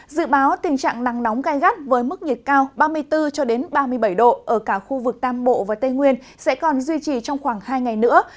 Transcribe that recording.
dự báo tình trạng nắng nóng gai gắt với mức nhiệt cao ba mươi bốn ba mươi bảy độ ở cả khu vực tam bộ và tây nguyên sẽ còn duy trì trong khoảng hai ngày nữa